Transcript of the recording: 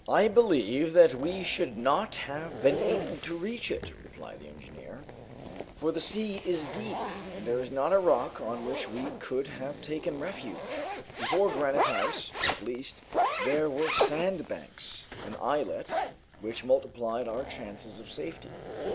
"I believe that we should not have been able to reach it," replied the engineer, "for the sea is deep, and there is not a rock on which we could have taken refuge. Before Granite House, at least, there were sandbanks, an islet, which multiplied our chances of safety.